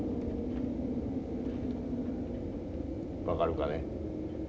分かるかね？